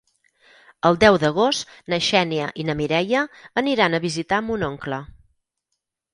El deu d'agost na Xènia i na Mireia aniran a visitar mon oncle.